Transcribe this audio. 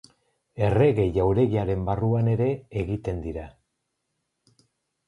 Errege jauregiaren barruan ere egiten dira.